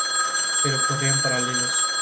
Pero corrían paralelos.